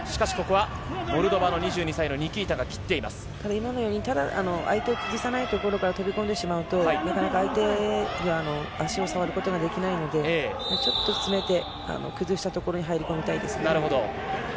今のように相手を崩さないところから飛び込んでしまうと相手の足を触ることができないのでちょっと詰めて崩したところに入り込みたいですね。